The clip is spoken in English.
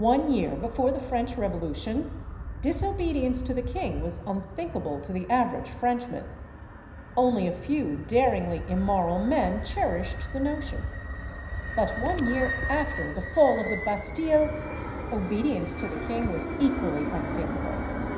One year before the French Revolution, disobedience to the king was unthinkable to the average Frenchman; only a few daringly immoral men cherished the notion. But one year after the fall of the Bastile, obedience to the king was equally unthinkable.